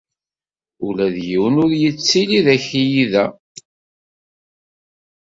Ula d yiwen ur yettili d akli da.